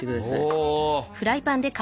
お。